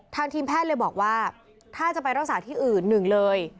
ทีมแพทย์เลยบอกว่าถ้าจะไปรักษาที่อื่นหนึ่งเลย